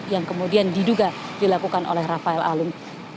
yang kemudian diduga dilakukan oleh rafael alun